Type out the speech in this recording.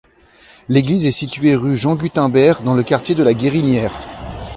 L'église est située rue Jean-Gutenberg, dans le quartier de La Guérinière.